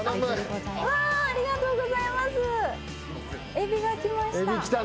エビが来ました。